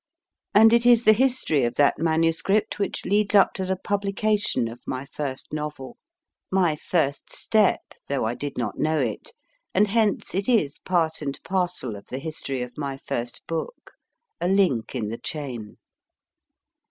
And it is the history of that manuscript which leads up to the publication of my first novel ; my first step, though I did not know it, and hence it is part and parcel of the history of my first book a link in the chain.